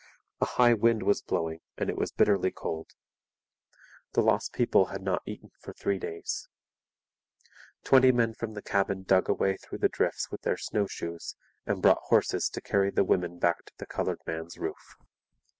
A high wind was blowing and it was bitterly cold. The lost people had not eaten for three days. Twenty men from the cabin dug a way through the drifts with their snowshoes and brought horses to carry the women back to the coloured man's roof.